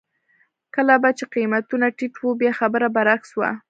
کله به چې قېمتونه ټیټ وو بیا خبره برعکس وه.